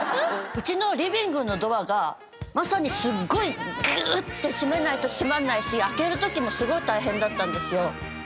うちのリビングのドアがまさにすごいぐっと閉めないと閉まんないし開けるときもすごい大変だったんですよ。